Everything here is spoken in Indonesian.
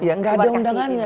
ya enggak ada undangannya